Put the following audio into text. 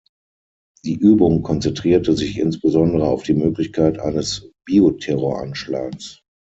Die Übung konzentrierte sich insbesondere auf die Möglichkeit eines Bioterroranschlags.